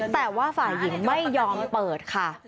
แต่ว่าฝ่ายหญิงไม่ยอมเปิดค่ะ